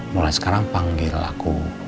mulai sekarang panggil aku